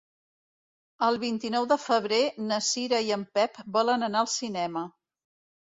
El vint-i-nou de febrer na Cira i en Pep volen anar al cinema.